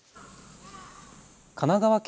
神奈川県